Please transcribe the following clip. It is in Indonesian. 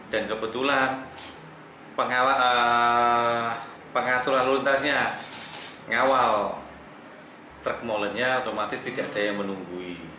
dan kebetulan pengaturan luntasnya ngawal truk molennya otomatis tidak ada yang menunggui